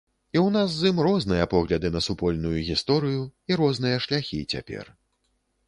І ў нас з ім розныя погляды на супольную гісторыю і розныя шляхі цяпер.